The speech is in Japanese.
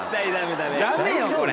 ダメよこれ。